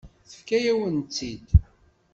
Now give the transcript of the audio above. Tefka-yawen-tt-id.